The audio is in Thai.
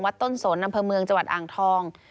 ต้นสนอำเภอเมืองจังหวัดอ่างทอง